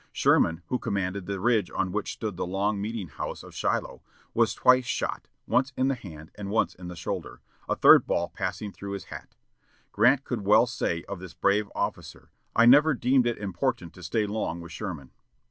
Sherman, who commanded the ridge on which stood the log meeting house of Shiloh, was twice shot, once in the hand and once in the shoulder, a third ball passing through his hat. Grant could well say of this brave officer, "I never deemed it important to stay long with Sherman."